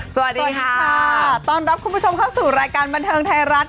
สวัสดีค่ะต้อนรับคุณผู้ชมเข้าสู่รายการบันเทิงไทยรัฐ